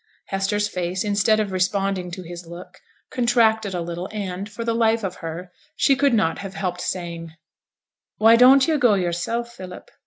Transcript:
Hester's face, instead of responding to his look, contracted a little, and, for the life of her, she could not have helped saying, 'Why don't yo' go yourself, Philip?'